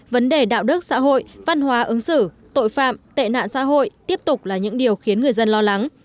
vấn đề đạo đức xã hội văn hóa ứng xử tội phạm tệ nạn xã hội tiếp tục là những điều khiến người dân lo lắng